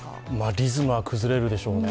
リズムは崩れるでしょうね。